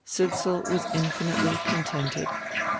Sidsall was infinitely contented.